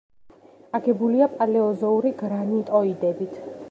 აგებულია პალეოზოური გრანიტოიდებით.